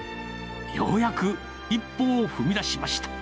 ようやく一歩を踏み出しました。